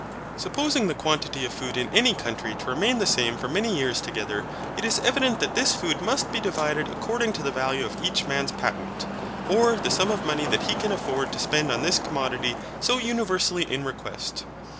Supposing the quantity of food in any country to remain the same for many years together, it is evident that this food must be divided according to the value of each man's patent, or the sum of money that he can afford to spend on this commodity so universally in request.